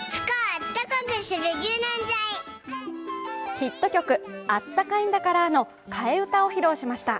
ヒット曲「あったかいんだからぁ」の替え歌を披露しました。